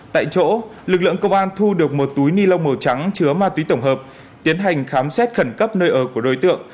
tại chỗ lực lượng công an thu được một túi ni lông màu trắng chứa ma túy tổng hợp tiến hành khám xét khẩn cấp nơi ở của đối tượng